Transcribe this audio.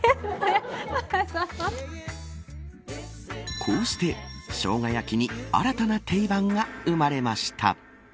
こうして、しょうが焼きに新たなテイバンが生まれました。